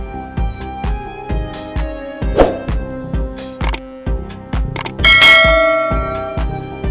kita menggunakan kopi klok ini kali ini